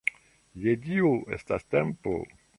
Je Dio, estas tempo!